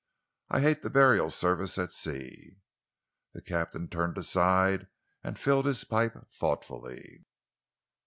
I hate the burial service at sea." The captain turned aside and filled his pipe thoughtfully.